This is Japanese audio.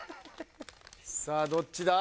さあどっちだ？